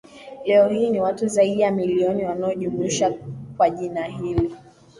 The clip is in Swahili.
Leo hii ni watu zaidi ya milioni wanaojumlishwa kwa jina hili